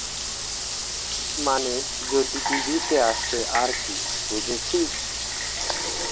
মানে, যদি টিভিতে আসে আর কি, বুঝেছিস?